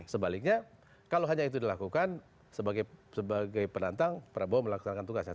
sebaliknya kalau hanya itu dilakukan sebagai penantang prabowo melaksanakan tugasnya